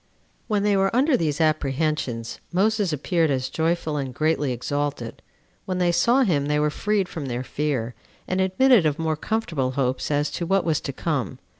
3. When they were under these apprehensions, Moses appeared as joyful and greatly exalted. When they saw him, they were freed from their fear, and admitted of more comfortable hopes as to what was to come.